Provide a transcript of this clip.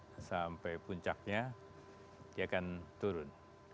nah sampai puncaknya dia akan turun